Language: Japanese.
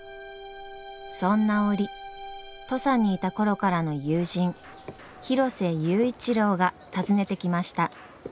そんな折土佐にいた頃からの友人広瀬佑一郎が訪ねてきました。